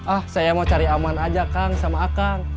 ah saya mau cari aman aja kang sama akang